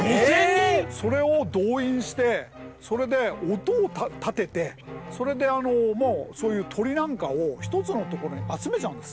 それを動員してそれで音を立ててそういう鳥なんかを一つのところに集めちゃうんです。